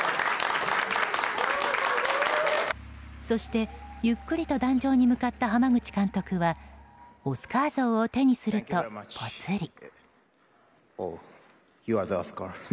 そして、ゆっくりと壇上に向かった濱口監督はオスカー像を手にするとぽつり。